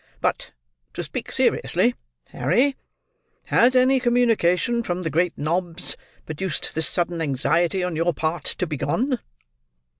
But, to speak seriously, Harry; has any communication from the great nobs produced this sudden anxiety on your part to be gone?"